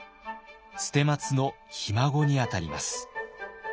捨松のひ孫にあたります。